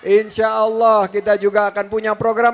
insya allah kita juga akan punya program